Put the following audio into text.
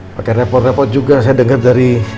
pakai repot repot juga saya denger dari istri saya